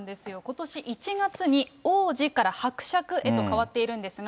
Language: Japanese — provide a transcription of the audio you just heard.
ことし１月に王子から伯爵へと変わっているんですが、